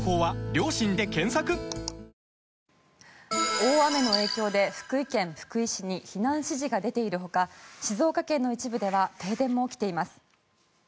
大雨の影響で福井県福井市に避難指示が出ているほか静岡県の一部では停電も起きています。